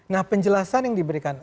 nah penjelasan yang diberikan